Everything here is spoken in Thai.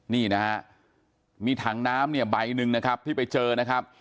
นี่นะฮะมีถังน้ำเนี่ยใบหนึ่งนะครับที่ไปเจอนะครับ